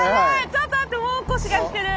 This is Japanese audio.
ちょっと待ってもう腰が引ける。